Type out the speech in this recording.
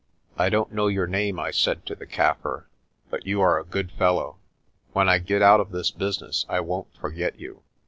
"I don't know your name," I said to the Kaffir, "but you are a good fellow. When I get out of this business I won't forget you."